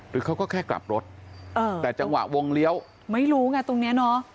เขาก็แค่กลับรถเออแต่จังหวะวงเลี้ยวไม่รู้ไงตรงเนี้ยเนอะ